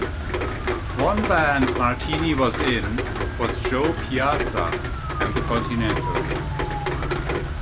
One band Martini was in was Joe Piazza and the Continentals.